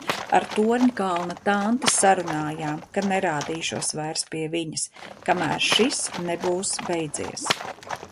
Ar Torņakalna tanti sarunājām, ka nerādīšos vairs pie viņas, kamēr šis nebūs beidzies.